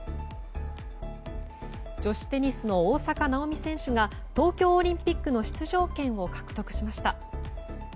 女子テニスの大坂なおみ選手が東京オリンピックの出場権を獲得しました。